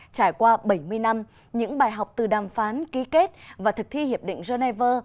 trải qua bảy mươi năm những bài học từ đàm phán ký kết và thực thi hiệp định geneva